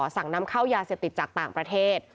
นำเข้ายาเสพติดจากต่างประเทศ